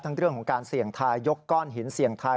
เรื่องของการเสี่ยงทายยกก้อนหินเสี่ยงทาย